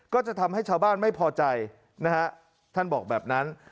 ก็จะทำให้ชาวบ้านไม่พอใจนะฮะท่านบอกแบบนั้น